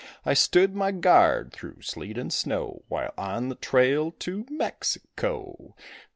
I stood my guard through sleet and snow While on the trail to Mexico.